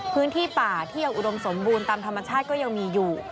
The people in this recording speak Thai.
พื้นที่ป่าที่ยังอุดมสมบูรณ์ตามธรรมชาติก็ยังมีอยู่